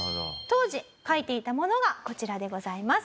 当時描いていたものがこちらでございます。